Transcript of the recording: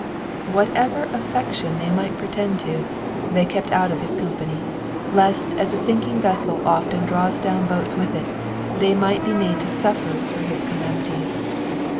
Whatever affection they might pretend to, the^ kept out of bis company, lest as a sinking vessel often draws down boats with it, they might be made to suSer through his calamities.